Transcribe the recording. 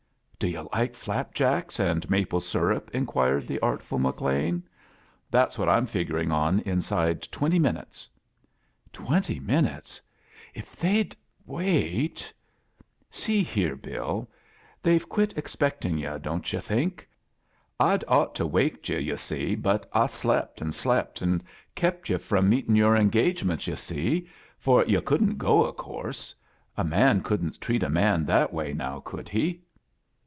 "Do yu' like flapjacks and maple syrup?" inquired the artful McLean. "That's what I'm figuring on inside twenty minotes." "Twenty minutesl If they'd wait —" "See here, BiH. They've quit expect in' yu', don't yu* tfiink? Td ought to waked, yu' see, but I slep' and slep', and kep' yu* from meetin' yoar engagements. ^^, A JOtJRNEY IN SEARCH OF CHRISTMAS yo* se^ — for yoa cotddn't go, of coarse. A man couldn't treat a man tbat way nowt could be?"